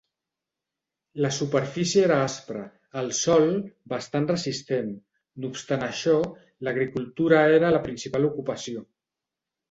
La superfície era aspra, el sòl bastant resistent; no obstant això, l'agricultura era la principal ocupació.